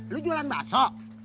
lu jualan baso